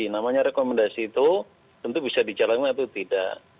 namanya rekomendasi itu tentu bisa dijalankan atau tidak